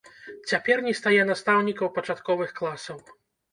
Цяпер не стае настаўнікаў пачатковых класаў.